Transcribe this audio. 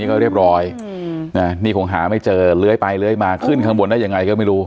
ก็เรียบร้อยนี่คงหาไม่เจอเลื้อยไปเลื้อยมาขึ้นข้างบนได้ยังไงก็ไม่รู้